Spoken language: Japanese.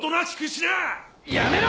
やめろ！